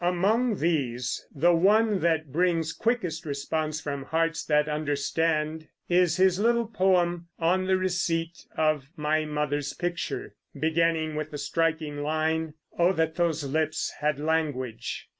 Among these, the one that brings quickest response from hearts that understand is his little poem, "On the Receipt of My Mother's Picture." beginning with the striking line, "Oh, that those lips had language."